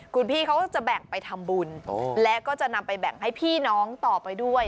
คุณพี่เขาก็จะแบ่งไปทำบุญและก็จะนำไปแบ่งให้พี่น้องต่อไปด้วย